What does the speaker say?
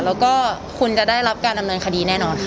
แล้วก็คุณจะได้รับการดำเนินคดีแน่นอนค่ะ